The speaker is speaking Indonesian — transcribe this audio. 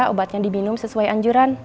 obatnya diminum sesuai anjuran